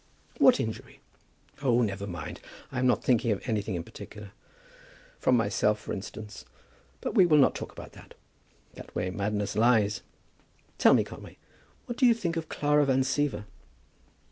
"What injury?" "Oh, never mind. I am not thinking of anything in particular. From myself, for instance. But we will not talk about that. That way madness lies. Tell me, Conway; what do you think of Clara Van Siever?"